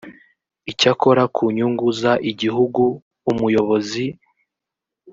icyakora ku nyungu z igihugu umuyobozi